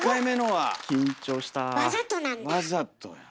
わざとや。